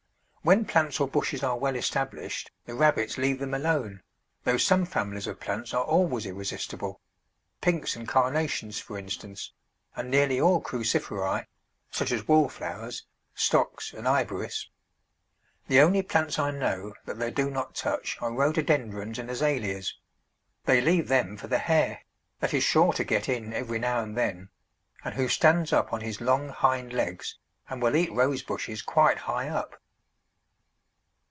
When plants or bushes are well established the rabbits leave them alone, though some families of plants are always irresistible Pinks and Carnations, for instance, and nearly all Cruciferæ, such as Wallflowers, Stocks, and Iberis. The only plants I know that they do not touch are Rhododendrons and Azaleas; they leave them for the hare, that is sure to get in every now and then, and who stands up on his long hind legs, and will eat Rose bushes quite high up.